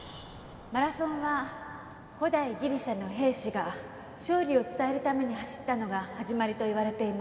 「マラソンは古代ギリシャの兵士が勝利を伝えるために走ったのが始まりといわれています」